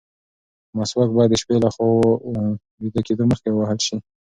مسواک باید د شپې له خوا د ویده کېدو مخکې هم ووهل شي.